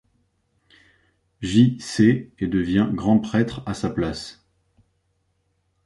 J-C et devient Grand prêtre à sa place.